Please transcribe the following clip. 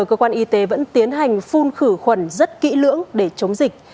cơ quan y tế vẫn tiến hành phun khử khuẩn rất kỹ lưỡng để chống dịch